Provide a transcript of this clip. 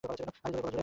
আরো জোরে চালাও!